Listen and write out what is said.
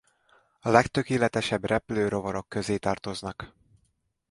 A legtökéletesebb repülő rovarok közé tartoznak.